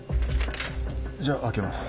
じゃあ開けます。